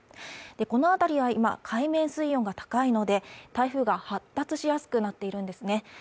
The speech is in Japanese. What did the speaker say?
この辺りは今海面水温が高いので台風が発達しやすくなっているんですね